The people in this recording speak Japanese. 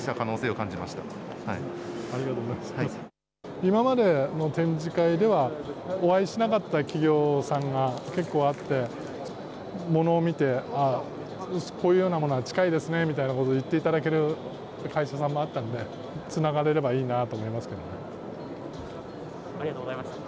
今までの展示会ではお会いしなかった企業さんが結構あって、ものを見て、こういうようなものは近いですねみたいなことを言っていただける会社さんもあったので、つながれればいいなと思いますけどね。